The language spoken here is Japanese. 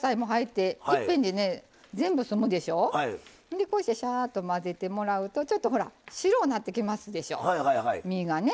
でこうしてシャーッと混ぜてもらうとちょっとほら白うなってきますでしょ身がね。